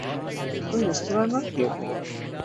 تم اس طرح نہ کیا کرو